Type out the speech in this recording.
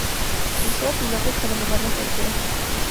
Usó pilotes para elevar la estructura.